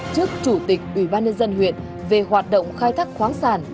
trước chủ tịch ủy ban nhân dân huyện về hoạt động khai thác khoáng sản